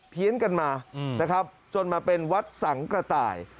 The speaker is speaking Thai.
ี้ยนกันมานะครับจนมาเป็นวัดสังกระต่าย